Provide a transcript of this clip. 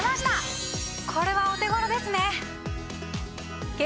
これはお手頃ですね！